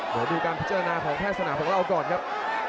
เดี๋ยวดูการพิจารณาของแพทย์สนามของเราก่อนครับ